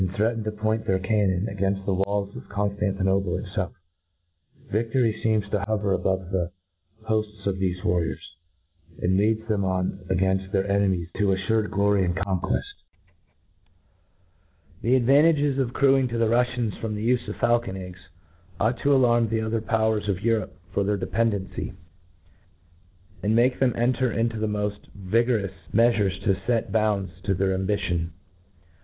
threatened to point thfeir cannon, a gainft the walls of Cpnftantinople itfelf: Videry feems tp hover, above the hofts of thefe warriors, and leads them on againft their enemies tp aflu : rpd glory and conqueft* The advantages accruing to the Ruffians from the ufe of faulcon eggs, ought to alarm the other powers of Europe for their independency, and make them enter into the moft vigorous mcafures to fct bounds to their ambition.